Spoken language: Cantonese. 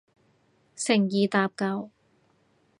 誠意搭救